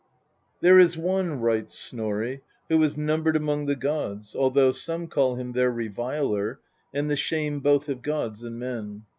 "There is one," writes Snorri, "who is numbered among the gods, although some call him their reviler, and the shame both of gods and men.